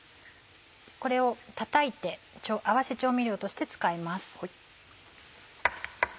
これをたたいて合わせ調味料として使います。